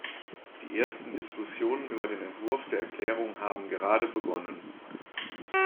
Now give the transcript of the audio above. Die ersten Diskussionen über den Entwurf der Erklärung haben gerade begonnen.